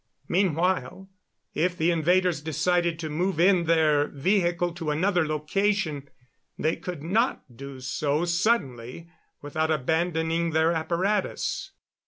Meanwhile, if the invaders decided to move in their vehicle to another location, they could not do so suddenly without abandoning their apparatus.